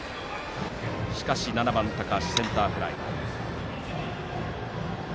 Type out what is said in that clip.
しかし７番、高橋はセンターフライ。